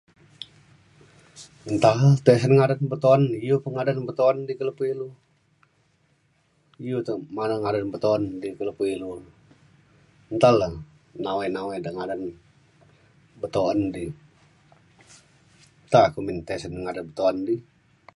Nta tisen ngadan betuen iu pe ngadan betuen di ke lepo ilu. iu te ngadan ngadan betuen di ke lepo ilu nta le nawai nawai de ngadan betuen di nta kumbin tisen ngadan betuen di.